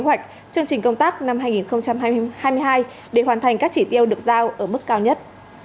kế hoạch chương trình công tác năm hai nghìn hai mươi hai để hoàn thành các chỉ tiêu được giao ở mức cao nhất